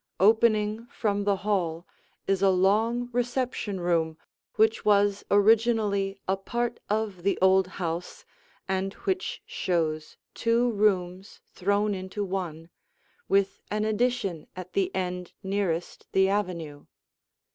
Opening from the hall is a long reception room which was originally a part of the old house and which shows two rooms thrown into one, with an addition at the end nearest the avenue.